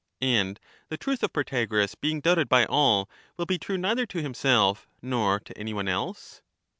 And the truth of Protagoras being doubted by all, will be true neither to himself nor to any one else